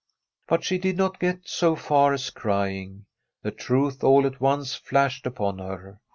But she did not get so far as crying. The truth all at once flashed upon her.